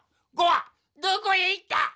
５はどこへ行った！